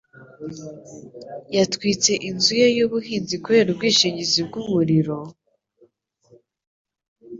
Yatwitse inzu ye y'ubuhinzi kubera ubwishingizi bw'umuriro,